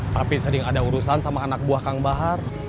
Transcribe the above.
tapi sering ada urusan sama anak buah kang bahar